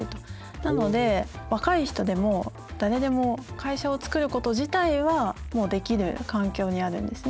なので若い人でも誰でも会社を作ること自体はもうできる環境にあるんですね。